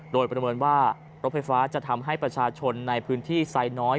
โดยประเมินว่ารถไฟฟ้าจะทำให้ประชาชนในพื้นที่ไซน้อย